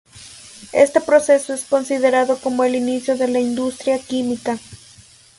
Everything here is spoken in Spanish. Este proceso es considerado como el inicio de la industria química.